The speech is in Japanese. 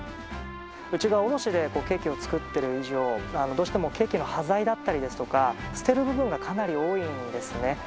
うちは卸しでケーキを作っている以上、どうしてもケーキの端材だったりとか、捨てる部分がかなり多いんですね。